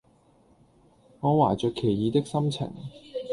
我懷著奇異的心情